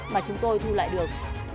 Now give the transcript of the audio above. mà chúng tôi thu lại được